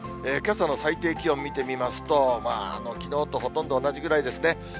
けさの最低気温見てみますと、きのうとほとんど同じぐらいですね。